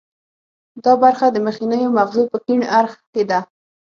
دا برخه د مخنیو مغزو په کیڼ اړخ کې ده